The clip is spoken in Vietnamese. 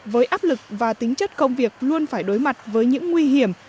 với áp lực và tính chất công việc luôn phải đối mặt với những nguy hiểm